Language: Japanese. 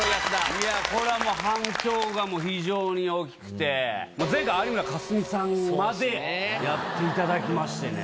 いやこれはもう反響が非常に大きくて前回有村架純さんまでやっていただきましてね。